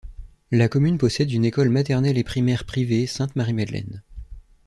La commune possède une école maternelle et primaire privée Sainte-Marie-Madeleine.